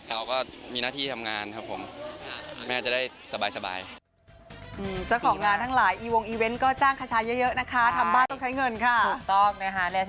แต่ก็มีหน้าที่ทำงานครับผม